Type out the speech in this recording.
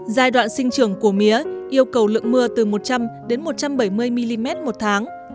giai đoạn sinh trưởng của mía yêu cầu lượng mưa từ một trăm linh đến một trăm bảy mươi mm một tháng